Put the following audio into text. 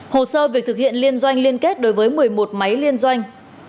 hồ sơ việc thực hiện liên doanh liên kết đối với một mươi một máy liên doanh